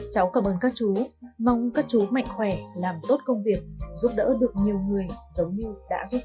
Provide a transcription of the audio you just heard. cháu cảm ơn các chú mong các chú mạnh khỏe làm tốt công việc giúp đỡ được nhiều người giống như đã giúp đỡ